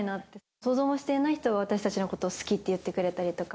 想像もしていない人が私たちのことを好きって言ってくれたりとか。